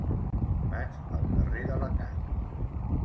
Vaig al carrer d'Alacant.